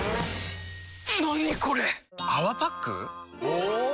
お！